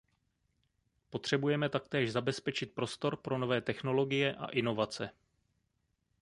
Potřebujeme taktéž zabezpečit prostor pro nové technologie a inovace.